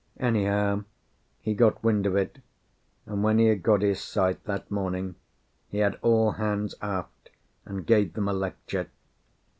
Anyhow, he got wind of it, and when he had got his sight that morning, he had all hands aft, and gave them a lecture.